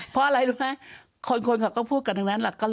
เพราะอะไรรู้ไหมคนเขาก็พูดกันทั้งนั้นแหละ